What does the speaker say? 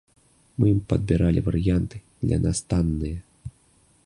Мы ім падбіралі варыянты, для нас танныя.